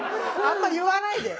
あんま言わないで。